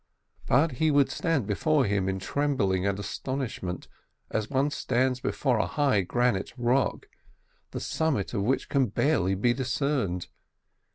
But he would stand before him in trembling and astonishment, as one stands before a high granite rock, the summit of which can barely be discerned.